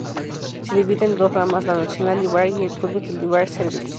Se divide en dos ramas: la "National Library", y el "Public Library Service".